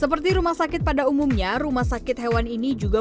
seperti rumah sakit pada umumnya